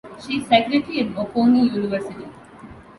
She is secretary at Bocconi University.